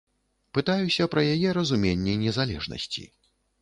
Пытаюся пра яе разуменне незалежнасці.